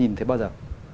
nhìn thấy bao giờ